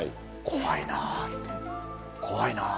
怖いなぁって、怖いなぁ。